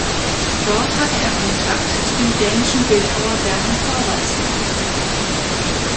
Dort hatte er Kontakt zu dem dänischen Bildhauer Bertel Thorvaldsen.